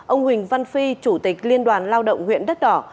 ông huỳnh văn phi chủ tịch liên đoàn lao động huyện đất đỏ